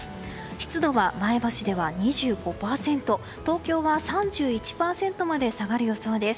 湿度は、前橋では２５％東京は３１％まで下がる予想です。